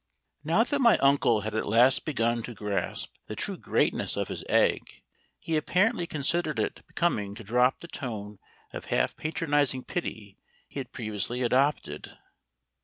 Now that my uncle had at last begun to grasp the true greatness of his egg, he apparently considered it becoming to drop the tone of half patronising pity he had previously adopted.